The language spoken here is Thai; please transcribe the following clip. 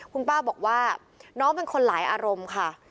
คุณป้าบอกว่าน้องเป็นคนหลายอารมณ์ค่ะ